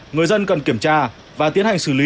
người dân cần kiểm tra và tiến hành xử lý